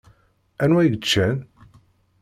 Anwa i yeččan?